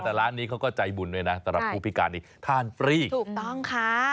แต่ร้านนี้เขาก็ใจบุญด้วยนะสำหรับผู้พิการนี้ทานฟรีถูกต้องค่ะ